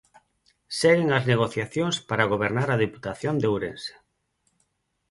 Seguen as negociacións para gobernar a Deputación de Ourense.